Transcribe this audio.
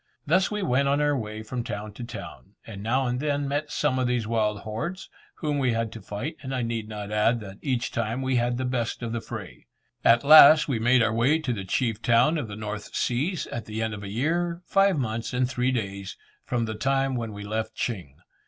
Thus we went on our way from town to town, and now and then met some of these wild hordes, whom we had to fight and I need not add that each time we had the best of the fray. At last we made our way to the chief town of the North Seas at the end of a year, five months and three days, from the time when we left Ching.